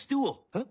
えっ？